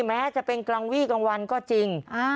แม้จะเป็นกลางวี่กลางวันก็จริง